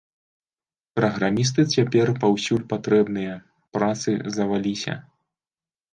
Праграмісты цяпер паўсюль патрэбныя, працы заваліся.